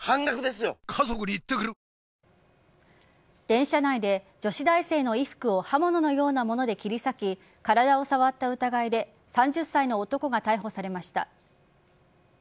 電車内で女子大生の衣服を刃物のようなもので切り裂き体を触った疑いで３０歳の男が逮捕されました。